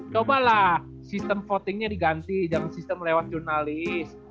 cobalah sistem votingnya diganti dengan sistem lewat jurnalis